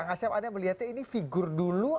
angasya pak anang melihatnya ini figur dulu